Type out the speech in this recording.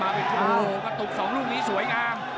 โอ้โหมาตุกสองลูกนี้สวยงาม